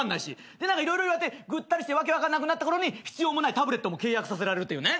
で色々言われてぐったりして訳分かんなくなったころに必要もないタブレットも契約させられるっていうね。